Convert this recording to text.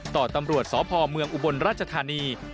ต่อตำรวจสอพอร์เมืองอุบลราชธานี